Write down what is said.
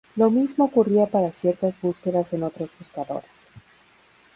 Lo mismo ocurría para ciertas búsquedas en otros buscadores.